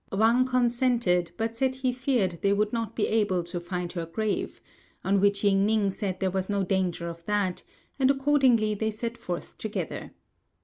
Wang consented, but said he feared they would not be able to find her grave; on which Ying ning said there was no danger of that, and accordingly they set forth together.